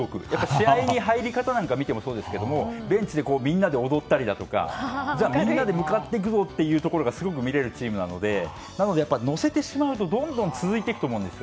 試合の入り方を見てもそうですがベンチでみんなで踊ったりだとかみんなで向かっていこうというところがすごく見れるチームなので乗せてしまうとどんどん続いていくと思うんです。